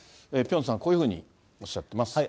ピョンさん、こういうふうにおっしゃっています。